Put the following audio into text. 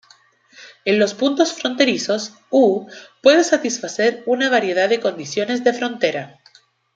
En los puntos fronterizos, "u" puede satisfacer una variedad de condiciones de frontera.